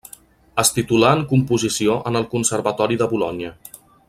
Es titulà en composició en el Conservatori de Bolonya.